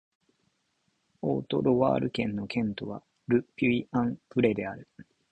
オート＝ロワール県の県都はル・ピュイ＝アン＝ヴレである